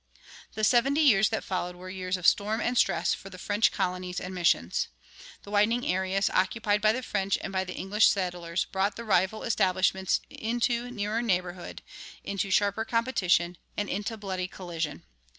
The seventy years that followed were years of "storm and stress" for the French colonies and missions. The widening areas occupied by the French and by the English settlers brought the rival establishments into nearer neighborhood, into sharper competition, and into bloody collision.